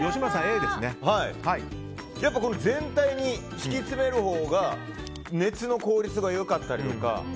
やっぱり全体に敷き詰めるほうが熱の効率が良かったりとか。